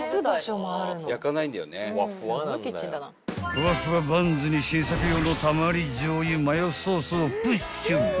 ［ふわふわバンズに新作用のたまり醤油マヨソースをプッシュ］